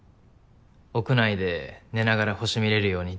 屋内で寝ながら星見れるようにって。